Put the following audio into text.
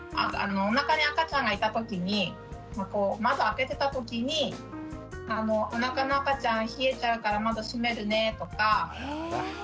おなかに赤ちゃんがいたときに窓開けてたときに「おなかの赤ちゃん冷えちゃうから窓閉めるね」とか。